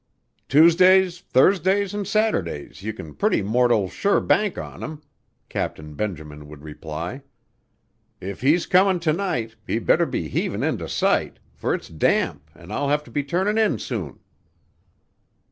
"Tuesdays, Thursdays, an' Saturdays you can pretty mortal sure bank on him," Captain Benjamin would reply. "If he's comin' to night, he better be heavin' into sight, for it's damp an' I'll have to be turnin' in soon."